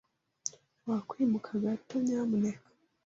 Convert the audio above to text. Wakwimuka gato, nyamuneka?